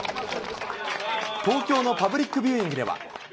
東京のパブリックビューイングでは。